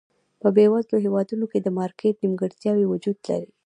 په بېوزلو هېوادونو کې د مارکېټ نیمګړتیاوې وجود لري.